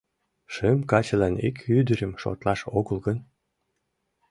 Шым качылан ик ӱдырым шотлаш огыл гын...